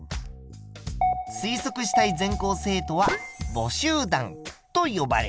推測したい全校生徒は母集団と呼ばれます。